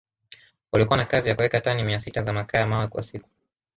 waliokuwa na kazi ya kuweka tani mia sita za makaa ya mawe kwa siku